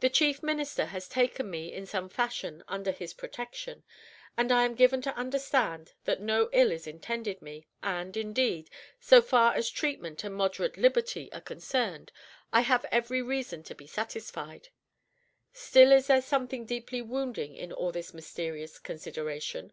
The chief minister has taken me, in some fashion, under his protection, and I am given to understand that no ill is intended me; and, indeed, so far as treatment and moderate liberty are concerned, I have every reason to be satisfied. Still is there something deeply wounding in all this mysterious "consideration."